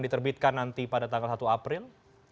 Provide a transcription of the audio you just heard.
diterbitkan nanti pada tanggal satu april